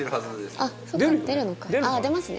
ああ出ますね